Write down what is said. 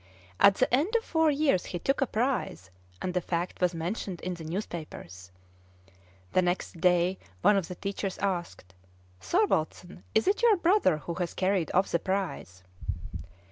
At the end of four years he took a prize, and the fact was mentioned in the newspapers. The next day, one of the teachers asked, "Thorwaldsen, is it your brother who has carried off the prize?"